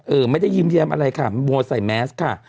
ไม่ได้ยิ้มแย้มอะไรค่ะโบใส่แมสค่ะ